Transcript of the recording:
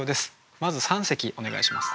まず三席お願いします。